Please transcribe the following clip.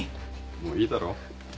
もういいだろ？